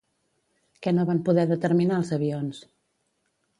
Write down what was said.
Què no van poder determinar els avions?